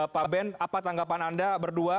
pak ben apa tanggapan anda berdua